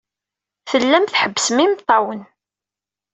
Tellam tḥebbsem imeṭṭawen.